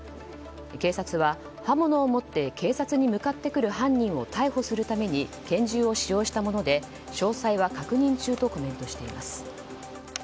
警察は、刃物を持って警察に向かってくる犯人を逮捕するために拳銃を使用したもので詳細は確認中とコメントしています。